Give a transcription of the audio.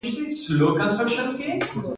دوی اوبه لګولې.